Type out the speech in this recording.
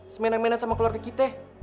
semena mena sama keluarga kita